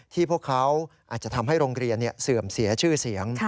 พวกเขาอาจจะทำให้โรงเรียนเสื่อมเสียชื่อเสียง